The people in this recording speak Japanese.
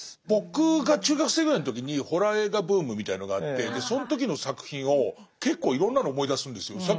僕が中学生ぐらいの時にホラー映画ブームみたいのがあってその時の作品を結構いろんなの思い出すんですよ。